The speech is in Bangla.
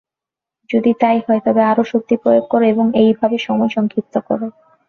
যদি তাই হয়, তবে আরও শক্তি প্রয়োগ কর এবং এইভাবে সময় সংক্ষিপ্ত কর।